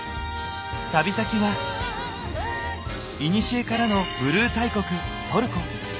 旅先はいにしえからのブルー大国トルコ。